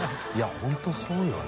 本当そうよね。